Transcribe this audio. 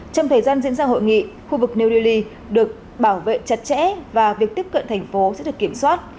trong thời gian diễn ra hội nghị khu vực new delhi được bảo vệ chặt chẽ và việc tiếp cận thành phố sẽ được kiểm soát